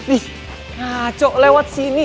ih ah cok lewat sini